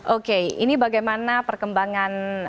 oke ini bagaimana perkembangan